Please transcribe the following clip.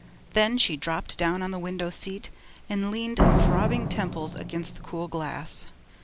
Then she dropped down on the window seat and leaned throbbing temples against the cool glass.